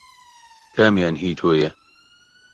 کامیان هی تۆیە؟